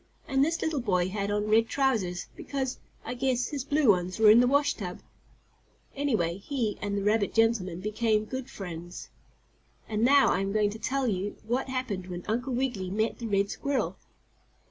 And this little boy had on red trousers, because, I guess, his blue ones were in the washtub. Anyhow, he and the rabbit gentleman became good friends. And now I am going to tell you what happened when Uncle Wiggily met the red squirrel.